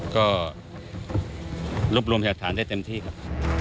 ก็ลุบรวมเสถาธานได้เต็มที่ครับ